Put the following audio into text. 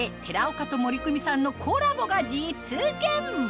岡と森クミさんのコラボが実現